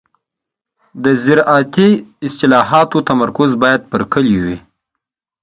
د زراعتي اصلاحاتو تمرکز باید پر کليو وي.